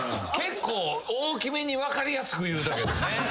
結構大きめに分かりやすく言うたけどね。